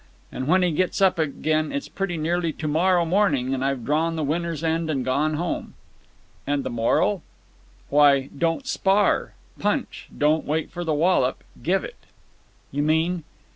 And when he gets up again it's pretty nearly to morrow morning and I've drawn the winner's end and gone home." "And the moral?" "Why, don't spar. Punch! Don't wait for the wallop. Give it." "You mean?"